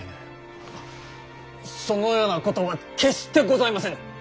そのようなことは決してございませぬ。